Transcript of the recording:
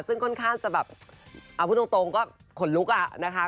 เอาพูดตรงก็ขนลุกค่ะ